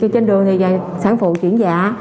trên đường sản phụ chuyển dạ